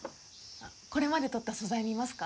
あっこれまで撮った素材見ますか？